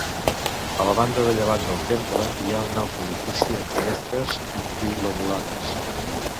A la banda de llevant del temple hi ha un altre edifici amb finestres bilobulades.